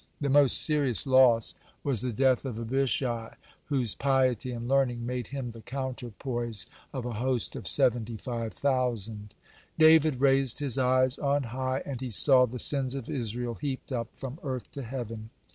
The most serious loss was the death of Abishai, whose piety and learning made him the counterpoise of a host of seventy five thousand. (123) David raised his eyes on high, and he saw the sins of Israel heaped up from earth to heaven.